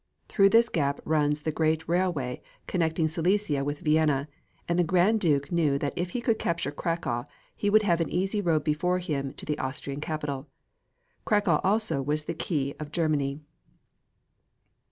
Through this gap runs the great railway connecting Silesia with Vienna, and the Grand Duke knew that if he could capture Cracow he would have an easy road before him to the Austrian capital. Cracow also is the key of Germany.